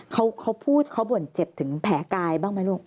เขาพูดเขาบ่นเจ็บถึงแผลกายบ้างไหมลูก